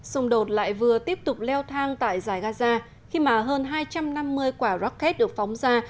xung đột lại vừa tiếp tục leo thang tại giải gaza khi mà hơn hai trăm năm mươi quả rocket được phóng ra